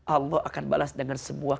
allah akan balas dengan sebuah